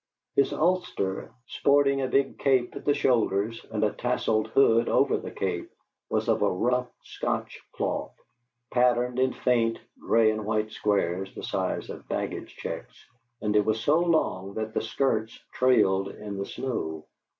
His ulster, sporting a big cape at the shoulders, and a tasselled hood over the cape, was of a rough Scotch cloth, patterned in faint, gray and white squares the size of baggage checks, and it was so long that the skirts trailed in the snow.